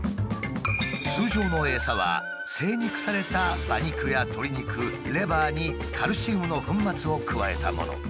通常のエサは精肉された馬肉や鶏肉レバーにカルシウムの粉末を加えたもの。